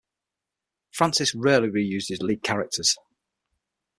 Francis rarely re-used his lead characters.